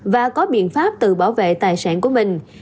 và có biện pháp tự bảo vệ tài sản của mình